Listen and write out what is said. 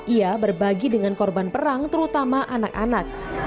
ia berbagi dengan korban perang terutama anak anak